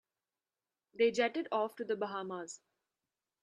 They jetted off to the Bahamas.